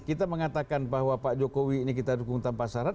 kita mengatakan bahwa pak jokowi ini kita dukung tanpa syarat